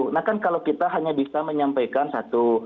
nah kan kalau kita hanya bisa menyampaikan satu